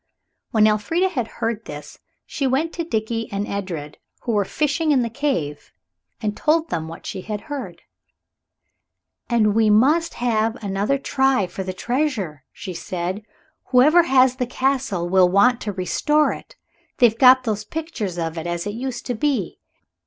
When Elfrida had heard this she went to Dickie and Edred, who were fishing in the cave, and told them what she had heard. "And we must have another try for the treasure," she said. "Whoever has the Castle will want to restore it; they've got those pictures of it as it used to be.